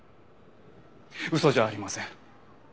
嘘じゃありません。